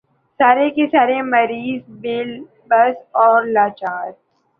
سارے کے سارے مریض بے بس و لاچار۔